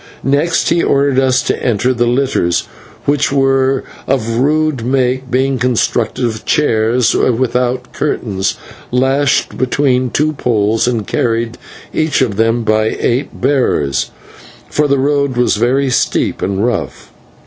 Next he ordered us to enter the litters, which were of rude make, being constructed of chairs without curtains, lashed between two poles, and carried, each of them, by eight bearers, for the road was very steep and rough.